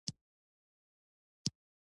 آیا کاناډا کډوالو ته اړتیا نلري؟